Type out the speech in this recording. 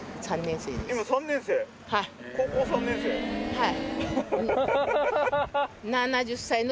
はい。